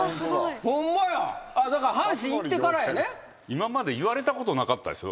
今まで言われたことなかったです。